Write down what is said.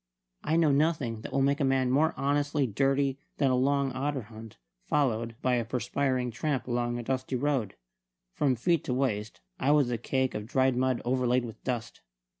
I know nothing that will make a man more honestly dirty than a long otter hunt, followed by a perspiring tramp along a dusty road. From feet to waist I was a cake of dried mud overlaid with dust.